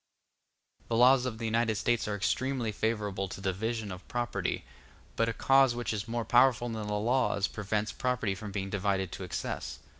The laws of the United States are extremely favorable to the division of property; but a cause which is more powerful than the laws prevents property from being divided to excess.